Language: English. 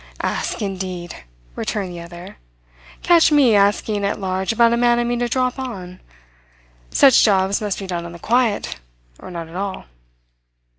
"Ask, indeed!" returned the other. "Catch me asking at large about a man I mean to drop on! Such jobs must be done on the quiet or not at all."